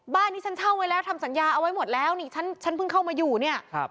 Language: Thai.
บ้านนี้ฉันเช่าไว้แล้วทำสัญญาเอาไว้หมดแล้วนี่ฉันฉันเพิ่งเข้ามาอยู่เนี่ยครับ